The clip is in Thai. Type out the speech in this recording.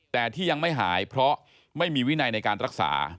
แต่ที่ยังไม่หายเพราะไม่มีวินัยในการรักษา